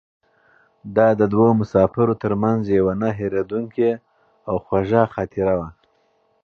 دا د دوو مسافرو تر منځ یوه نه هېرېدونکې او خوږه خاطره وه.